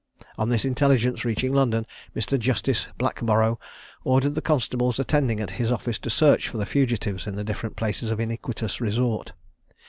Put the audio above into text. On this intelligence reaching London, Mr. Justice Blackborow ordered the constables attending at his office to search for the fugitives in the different places of iniquitous resort.